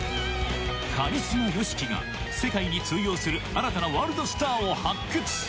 カリスマＹＯＳＨＩＫＩが世界に通用する新たなワールドスターを発掘